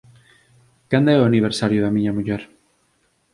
Cando é o aniversario da miña muller?